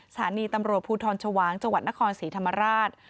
สถานีตำรวจภูทรชวางจังหวัดนครศรีธรรมราช